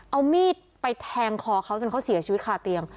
เอามีดไปแทงคอเขาจนเขาเสียชีวิตคาเตียง